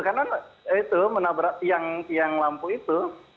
karena itu menabrak tiang lampu itu